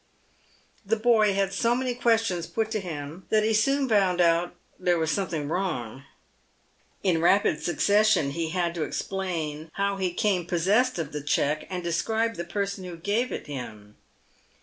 The boy had so many questions put to him that he soon found out there was something wrong. In rapid succession, he had to explain how he came possessed of the cheque, and describe the person who gave it him.